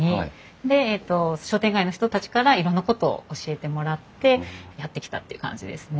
で商店街の人たちからいろんなことを教えてもらってやって来たっていう感じですね。